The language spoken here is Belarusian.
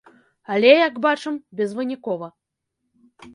Але, як бачым, безвынікова.